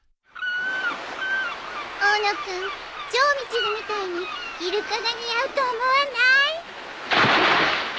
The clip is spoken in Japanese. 大野君城みちるみたいにイルカが似合うと思わない？